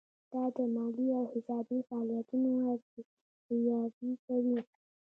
دا د مالي او حسابي فعالیتونو ارزیابي کوي.